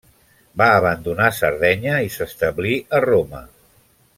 Va abandonar Sardenya i s'establí a Roma.